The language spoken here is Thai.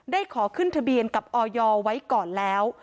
ขอขึ้นทะเบียนกับออยไว้ก่อนแล้ว